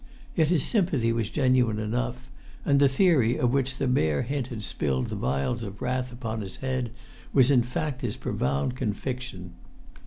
Yet his sympathy was genuine enough; and the theory, of which the bare hint had spilled vials of wrath upon his head,[Pg 44] was in fact his profound conviction.